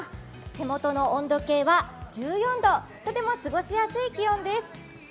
手元の温度計は１４度、とても過ごしやすい気温です。